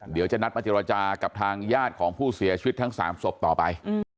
เดี๋ยวจะนัดมาเจรจากับทางญาติของผู้เสียชีวิตทั้ง๓ศพต่อไป